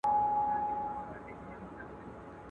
او پر لار د طویلې یې برابر کړ.